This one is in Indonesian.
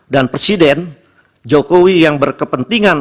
dan presiden jokowi yang berkepentingan